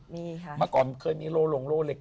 มีค่ะเมื่อก่อนเคยมีโลหลงโลเล็ก